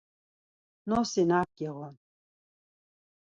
Nosi nak giğun?